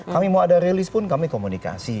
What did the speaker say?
kami mau ada release pun kami komunikasi